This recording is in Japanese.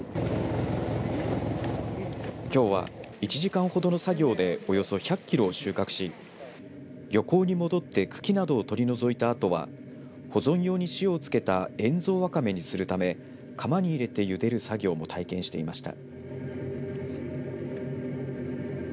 きょうは１時間ほどの作業でおよそ１００キロを収穫し漁港に戻って茎などを取り除いたあとは保存用に塩を付けた塩蔵わかめにするため釜に入れてゆでる作業も体験していました。